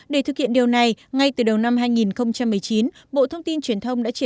để thực hiện điều này ngay từ đầu năm hai nghìn một mươi chín